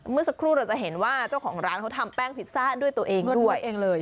เมื่อสักครู่เราจะเห็นว่าเจ้าของร้านเขาทำแป้งพิซซ่าด้วยตัวเองด้วย